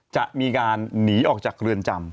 จะมีการหนีออกจากเรือนจำ